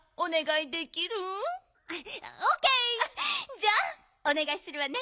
じゃあおねがいするわね。